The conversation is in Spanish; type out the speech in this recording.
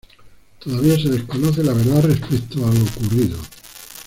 Todavía se desconoce la verdad respecto a lo ocurrido.